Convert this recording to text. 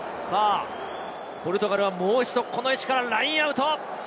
ポルトガルはもう一度この位置からラインアウト。